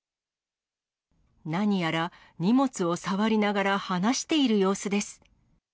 何やら荷物を触りながら話している様子です。